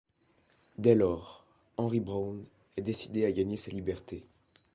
Dès lors, Henry Brown est décidé à gagner sa liberté.